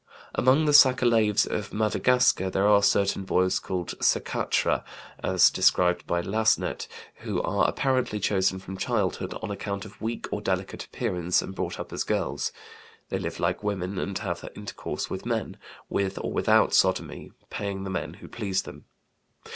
Among the Sakalaves of Madagascar there are certain boys called sekatra, as described by Lasnet, who are apparently chosen from childhood on account of weak or delicate appearance and brought up as girls. They live like women and have intercourse with men, with or without sodomy, paying the men who please them.